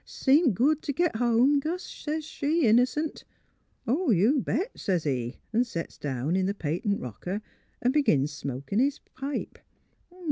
' Seem good t' git home, Gus? ' sez she, innercent. ' You bet,' sez he; an' sets down in th' patent rocker an' begins smokin' his pipe.